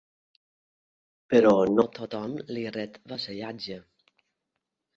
Però no tothom li ret vassallatge.